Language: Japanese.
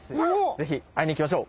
是非会いに行きましょう。